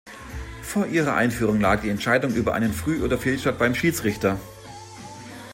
Vor ihrer Einführung lag die Entscheidung über einen Früh- oder Fehlstart beim Schiedsrichter.